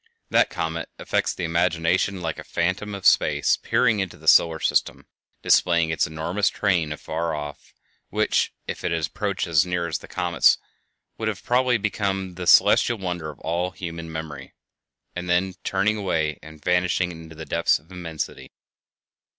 That comet affects the imagination like a phantom of space peering into the solar system, displaying its enormous train afar off (which, if it had approached as near as other comets, would probably have become the celestial wonder of all human memory), and then turning away and vanishing in the depths of immensity.